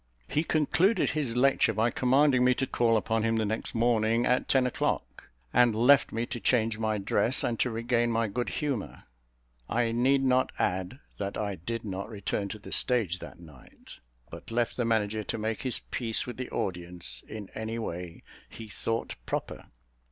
He concluded his lecture by commanding me to call upon him the next morning, at ten o'clock, and left me to change my dress, and to regain my good humour. I need not add that I did not return to the stage that night, but left the manager to make his peace with the audience in any way he thought proper.